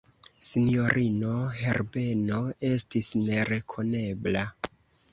Sinjorino Herbeno estis nerekonebla.